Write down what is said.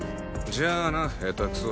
じゃあな下手くそ。